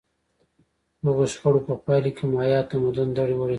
دغو شخړو په پایله کې مایا تمدن دړې وړې کړ.